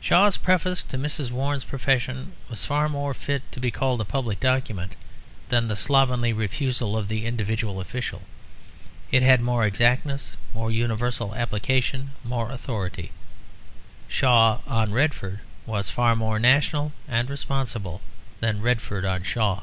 Shaw's preface to Mrs. Warren's Profession was far more fit to be called a public document than the slovenly refusal of the individual official; it had more exactness, more universal application, more authority. Shaw on Redford was far more national and responsible than Redford on Shaw.